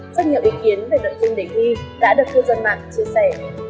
rất nhiều ý kiến về nội dung đề thi đã được cư dân mạng chia sẻ